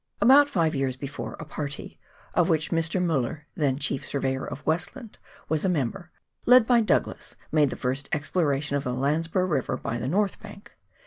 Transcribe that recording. About five years before, a party — of which Mr. Mueller, then chief surveyor of Westland, was a member — led by Douglas, made the first exploration of the Landsborough River by the north bank.